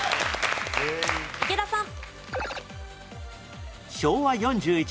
池田さん。